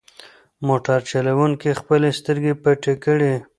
موټر چلونکي خپلې سترګې پټې کړې.